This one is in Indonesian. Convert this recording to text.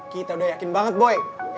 kita udah yakin banget boy